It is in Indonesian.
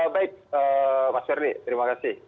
baik mas ferdi terima kasih